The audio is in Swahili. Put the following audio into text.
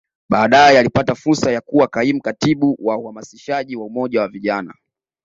Baadae alipata fursa ya kuwa Kaimu Katibu wa Uhamasishaji wa Umoja wa Vijana